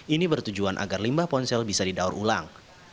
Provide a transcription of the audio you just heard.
ini bertujuan agar limbah ponsel bisa didaur ulang